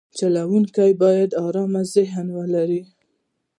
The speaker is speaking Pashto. چلوونکی باید ارام ذهن ولري.